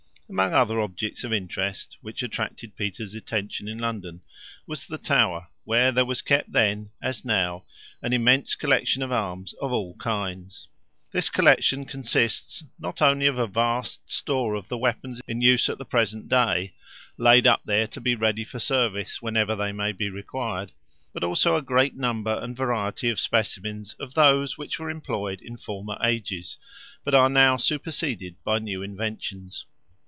Among other objects of interest which attracted Peter's attention in London was the Tower, where there was kept then, as now, an immense collection of arms of all kinds. This collection consists not only of a vast store of the weapons in use at the present day, laid up there to be ready for service whenever they may be required, but also a great number and variety of specimens of those which were employed in former ages, but are now superseded by new inventions.